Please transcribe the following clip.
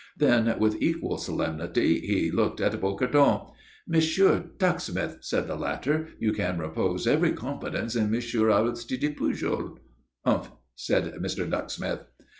Then, with equal solemnity, he looked at Bocardon. "Monsieur Ducksmith," said the latter, "you can repose every confidence in Monsieur Aristide Pujol." "Umph!" said Mr. Ducksmith.